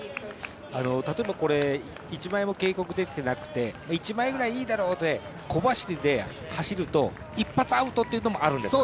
例えば１枚も警告が出てなくて１枚ぐらいはいいだろうということで小走りで走ると、一発アウトもあるんですか？